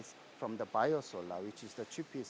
dari biosolar yang adalah diesel dua ps